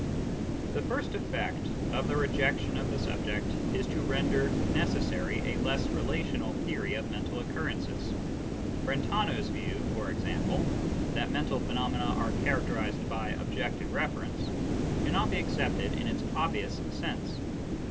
The first effect of the rejection of the subject is to render necessary a less relational theory of mental occurrences. Brentano's view, for example, that mental phenomena are characterised by " objective reference," cannot be accepted in its obvious sense.